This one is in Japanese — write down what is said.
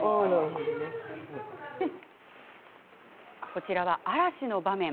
こちらは嵐の場面。